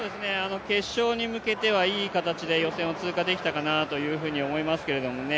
決勝に向けてはいい形で予選を通過できたかなとは思いますけどね